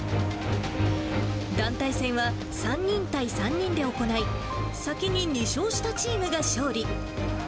団体戦は、３人対３人で行い、先に２勝したチームが勝利。